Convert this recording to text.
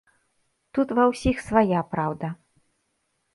Тут ва ўсіх свая праўда.